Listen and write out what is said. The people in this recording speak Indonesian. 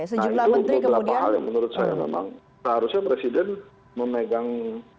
nah itu beberapa hal yang menurut saya memang seharusnya presiden memegang